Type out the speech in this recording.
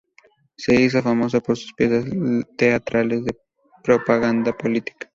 Se hizo famoso por sus piezas teatrales de propaganda política.